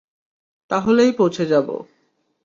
তাহলেই পৌঁছে যাবো।